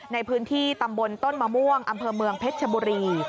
ในพื้นที่ตำบลต้นมะม่วงอำเภอเมืองเพชรชบุรี